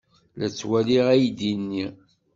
La ttwaliɣ aydi-nni.